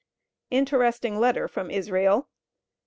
INTERESTING LETTER FROM ISRAEL.